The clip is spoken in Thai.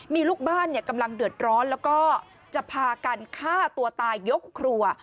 มีลูกบ้านกำลังเดือดร้อนแล้วก็จะพากันฆ่าตัวตายยกครัว